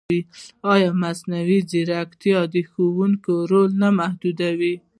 ایا مصنوعي ځیرکتیا د ښوونکي رول نه محدودوي؟